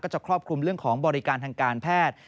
จะครอบคลุมเรื่องของบริการทางการแพทย์